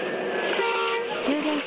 急減速。